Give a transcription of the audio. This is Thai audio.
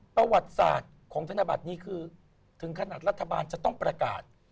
ประวัติศาสตร์ของธนบัตรนี้คือถึงขนาดรัฐบาลจะต้องประกาศ